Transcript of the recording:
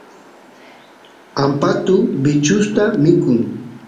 ampatu bichusta mikun